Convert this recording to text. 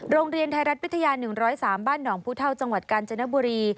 โรงเรียนไทยรัฐวิทยา๑๐๓บ้านหนองผู้เท่าจังหวัดกาญจนบุรี